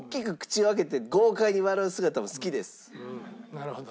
なるほど。